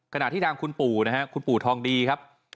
ขณะที่ทางคุณปู่นะฮะคุณปู่ทองดีครับ